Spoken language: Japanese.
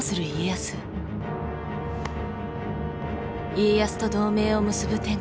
家康と同盟を結ぶ天下人